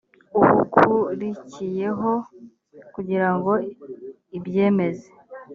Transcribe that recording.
ubukurikiyeho kugira ngo ibyemeze